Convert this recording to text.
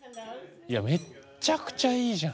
いやめっちゃくちゃいいじゃん。